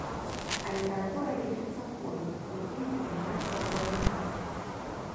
А літаратура лічыцца хобі, якім ты займаешся ў вольны час.